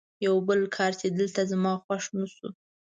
یو بل کار چې دلته زما خوښ نه شو.